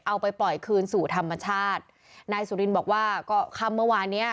เอาไปปล่อยคืนสู่ธรรมชาตินายสุรินบอกว่าก็ค่ำเมื่อวานเนี้ย